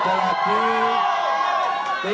tidak ada lagi yang namanya kampret